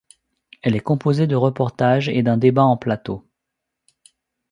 Elle est composée de reportages et d'un débat en plateau.